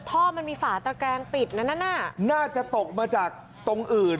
ท่อมันมีฝาตะแกรงปิดนั้นน่ะน่าจะตกมาจากตรงอื่น